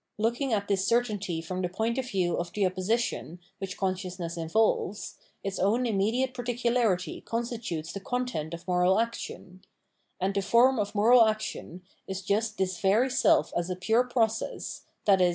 Looking at this certainty from the point of view of the opposition which con sciousness involves, its own immediate particularity constitutes the content of moral action ; and the form of moral action is just this very self as a pure process, viz.